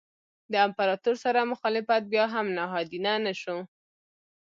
د امپراتور سره مخالفت بیا هم نهادینه نه شو.